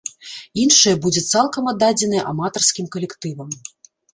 Іншая будзе цалкам аддадзеная аматарскім калектывам.